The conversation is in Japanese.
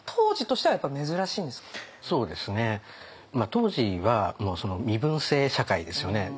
当時は身分制社会ですよね。